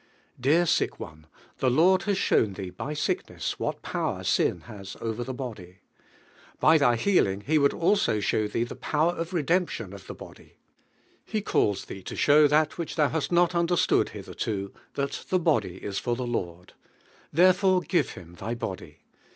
Dear sick one, the Lord has shown thee by sickness what powe r sin has over the body. By thy healing fie would also show thee the power of redemption of the body. He calls thee to show that which thou hast not understood hii herl a, that "Hie body is for the Lord." Therefore give Him thy body.